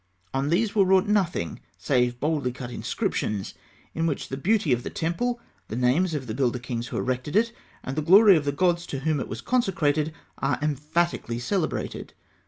On these were wrought nothing save boldly cut inscriptions, in which the beauty of the temple, the names of the builder kings who had erected it, and the glory of the gods to whom it was consecrated, are emphatically celebrated.